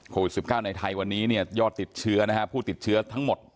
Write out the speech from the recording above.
โควิด๑๙ในไทยวันนี้เนี่ยยอดติดเชื้อนะฮะผู้ติดเชื้อทั้งหมด